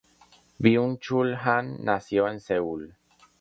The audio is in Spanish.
Byung-Chul Han nació en Seúl.